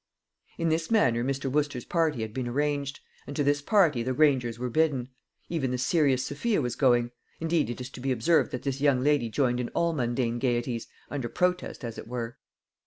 In this manner Mr. Wooster's party had been arranged, and to this party the Grangers were bidden. Even the serious Sophia was going; indeed, it is to be observed that this young lady joined in all mundane gaieties, under protest as it were.